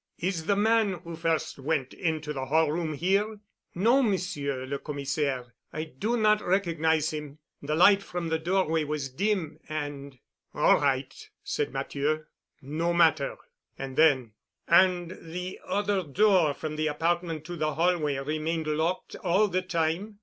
"Is the man who first went into the hall room here?" "No, Monsieur le Commissaire. I do not recognize him, the light from the doorway was dim and——" "All right," said Matthieu. "No matter." And then, "And the other door from the apartment to the hallway remained locked all the time?"